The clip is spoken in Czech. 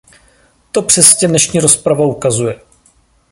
To přesně dnešní rozprava ukazuje.